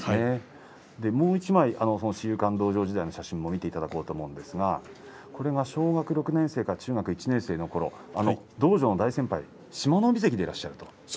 もう１枚志友館道場時代の写真を見ていただこうと思うんですが小学６年生か中学１年生のころ道場の大先輩、志摩ノ海関でいらっしゃる。